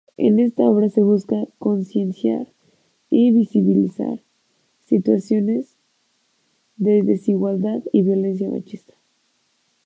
En esta obra se busca concienciar y visibilizar situaciones de desigualdad y violencia machista.